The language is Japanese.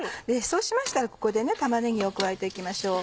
そうしましたらここで玉ねぎを加えて行きましょう。